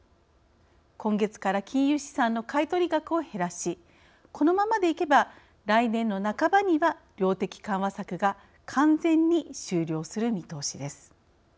今月から金融資産の買い取り額を減らしこのままでいけば来年の半ばには、量的緩和策が完全に終了する見通しです。